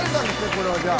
これはじゃあ。